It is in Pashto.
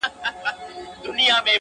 په جرگه كي سوه خندا د موږكانو٫